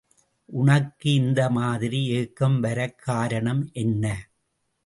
உனக்கு இந்த மாதிரி ஏக்கம் வரக் காரணம் என்ன?